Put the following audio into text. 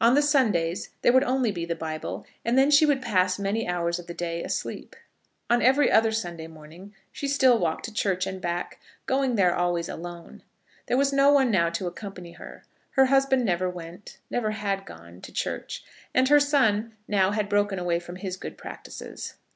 On the Sundays there would only be the Bible, and then she would pass many hours of the day asleep. On every other Sunday morning she still walked to church and back, going there always alone. There was no one now to accompany her. Her husband never went, never had gone, to church, and her son now had broken away from his good practices.